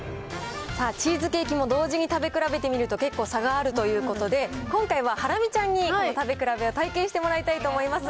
さあ、チーズケーキも同時に食べ比べてみると、結構差があるということで、今回はハラミちゃんにこの食べ比べを体験してもらいたいと思います。